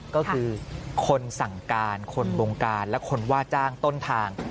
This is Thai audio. ก็คือคนสั่งการคนบงการและคนว่าจ้างต้นทาง